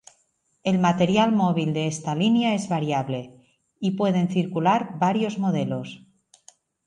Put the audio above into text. El material móvil de esta línea es variable, y pueden circular varios modelos.